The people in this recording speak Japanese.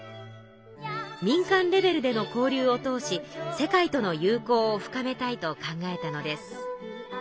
民間レベルでの交流を通し世界との友好を深めたいと考えたのです。